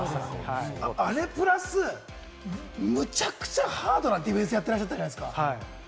あれプラス、むちゃくちゃハードなディフェンスをやってたじゃないですか。